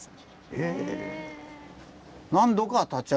へえ。